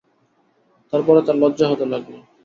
তার পরে তার লজ্জা হতে লাগল।